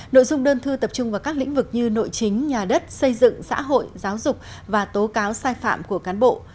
nội dung đơn thư tập trung vào các lĩnh vực như nội chính nhà đất xây dựng xã hội giáo dục và tố cáo sai phạm của cán bộ